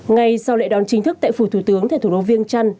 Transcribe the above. ngay sau lệ đón chính thức tại phủ thủ tướng thầy thủ đô viêng trăn